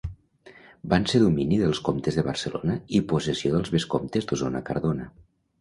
Va ser domini dels comtes de Barcelona i possessió dels vescomtes d'Osona-Cardona.